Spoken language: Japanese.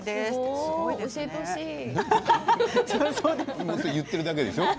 それも言っているだけでしょ。